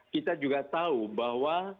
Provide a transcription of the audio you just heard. kita juga tahu bahwa